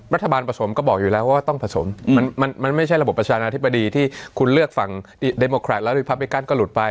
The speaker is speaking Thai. รัฐบาลผสมก็บอกอยู่แล้วว่าต้องผสมมันไม่ใช่ระบบประชานาธิบดีที่คุณเลือกฝั่งเดโมแครตแล้วหรือพาเบกัสก็หลุดไป